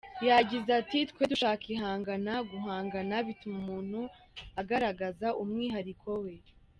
Yagize ati “Twe dushaka ihangana, guhangana bituma umuntu agaragaza umwihariko we.